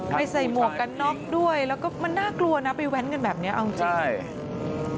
ใส่หมวกกันน็อกด้วยแล้วก็มันน่ากลัวนะไปแว้นกันแบบนี้เอาจริงใช่